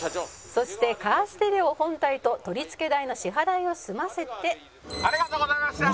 「そしてカーステレオ本体と取り付け代の支払いを済ませて」ありがとうございました！